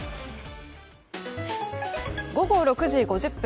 午後６時５０分。